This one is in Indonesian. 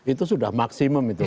itu sudah maksimum itu